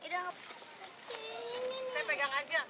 saya pegang aja